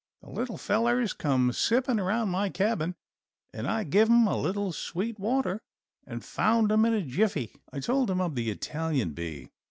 The little fellers come sippin' around my cabin and I give 'em a little sweet water and found 'em in a jiffy." I then told him of the Italian bee.